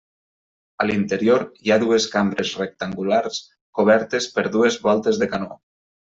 A l'interior hi ha dues cambres rectangulars cobertes per dues voltes de canó.